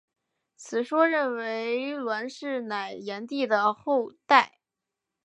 此说认为栾氏乃炎帝的后代。